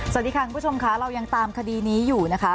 สวัสดีค่ะคุณผู้ชมค่ะเรายังตามคดีนี้อยู่นะคะ